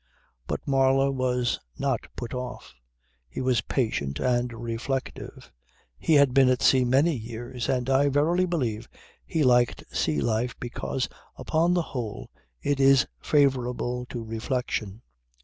But Marlow was not put off. He was patient and reflective. He had been at sea many years and I verily believe he liked sea life because upon the whole it is favourable to reflection.